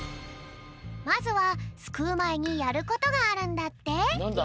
まずはすくうまえにやることがあるんだって。